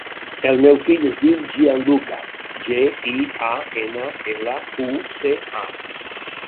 El meu fill es diu Gianluca: ge, i, a, ena, ela, u, ce, a.